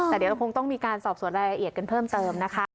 แต่เดี๋ยวเราคงต้องมีการสอบส่วนรายละเอียดกันเพิ่มเติมนะคะ